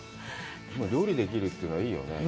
料理できるというのはいいよね。